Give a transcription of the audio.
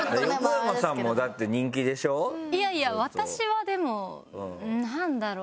いやいや私はでもなんだろう？